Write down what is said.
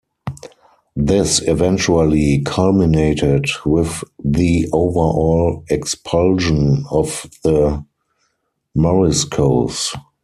This eventually culminated with the overall Expulsion of the Moriscos.